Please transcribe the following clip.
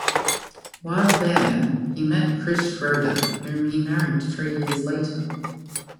While there, he met Chris Schroeder, whom he married three years later.